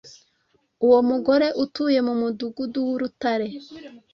Uwo mugore utuye mu Mudugudu w’Urutare,